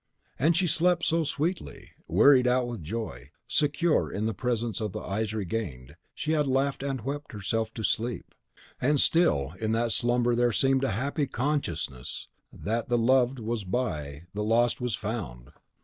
.... And she slept so sweetly. Wearied out with joy, secure in the presence of the eyes regained, she had laughed and wept herself to sleep; and still in that slumber there seemed a happy consciousness that the loved was by, the lost was found.